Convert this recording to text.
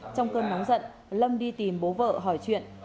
trong cơn nóng giận lâm đi tìm bố vợ hỏi chuyện